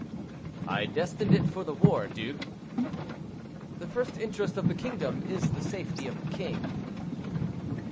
"I destined it for the war, duke." "The first interest of the kingdom is the safety of the king."